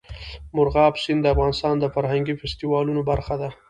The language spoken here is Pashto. مورغاب سیند د افغانستان د فرهنګي فستیوالونو برخه ده.